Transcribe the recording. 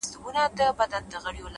مهرباني د زړونو ترمنځ باور کرل دي!